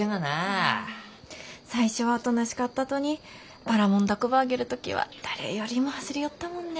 最初はおとなしかったとにばらもん凧ばあげる時は誰よりも走りよったもんね。